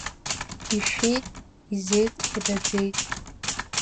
Ишәеит, изеит, ираӡеит.